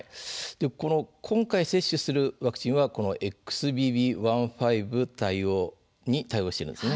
今回、接種するワクチンはＸＢＢ．１．５に対応しているんです。